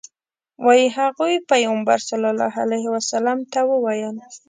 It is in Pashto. وایي هغوی پیغمبر صلی الله علیه وسلم ته وویل.